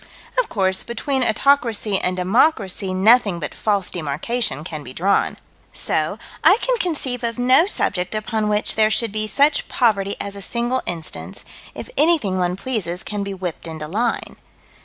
Of course between autocracy and democracy nothing but false demarcation can be drawn. So I can conceive of no subject upon which there should be such poverty as a single instance, if anything one pleases can be whipped into line.